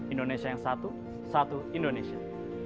indonesia yang satu satu indonesia